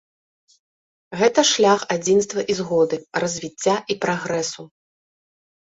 Гэта шлях адзінства і згоды, развіцця і прагрэсу.